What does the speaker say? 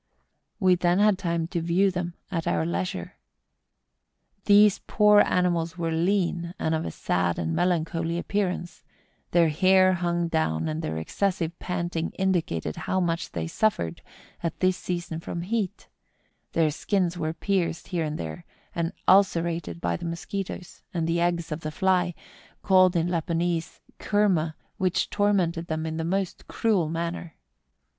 We then had time to view them at our leisure. Tliese poor animals were lean, and of a sad and melancholy appearance: their hair hung down, and their excessive panting indicated how much they suffered at this season from heat; their skins were pierced here and there, and ul¬ cerated by the mosquitoes, and the eggs of the fly, called in Lapponese kerrna, which tormented them in NORTH CAPE. 163 the most cruel manner.